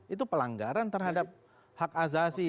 itu pelanggaran terhadap hak azasi